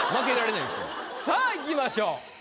さあいきましょう。